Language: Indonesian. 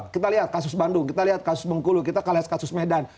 kita lihat kasus bandung kita lihat kasus bengkulu kita akan lihat kasus medan